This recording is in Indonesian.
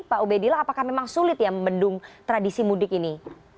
pak ubedillah apakah memang sulit ya membendung tradisi mudik ini